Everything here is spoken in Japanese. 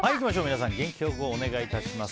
皆さん元気よくお願いします。